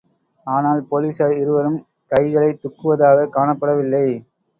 ஆனால் போலிஸார் இருவரும் கைகளைத்துக்குவதாகக் காணப்படவில்லை.